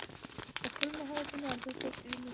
د خپلو مهارتونو ارزښت وپېژنئ.